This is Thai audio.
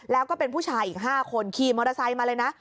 แล้วก็เป็นผู้ชายอีก๕คนขี่มอเตอร์ไซค์มาเลยนะ